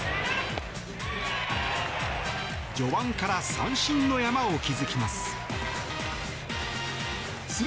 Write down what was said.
序盤から三振の山を築きます。